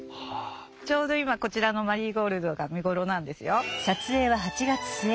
ちょうど今こちらのマリーゴールドが見頃なんですよ。